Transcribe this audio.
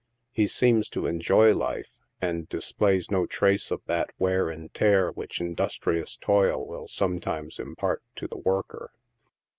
He seems to enjoy life, and displays no traces of that wear and tear which industrious toil will sometimes impart to the worker.